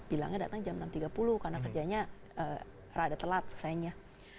bilangnya datang jam enam tiga puluh karena kerjanya rada telat selesainya